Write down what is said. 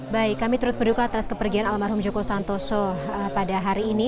baik kami turut berduka atas kepergian almarhum joko santoso pada hari ini